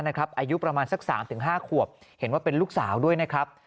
อายุประมาณสัก๓๕ขวบเห็นว่าเป็นลูกสาวด้วยนะครับ